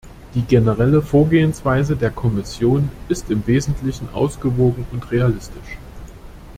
Die generelle Vorgehensweise der Kommission ist im Wesentlichen ausgewogen und realistisch.